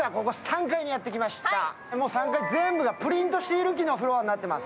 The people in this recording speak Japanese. もう３階全部がプリントシール機のフロアになっています。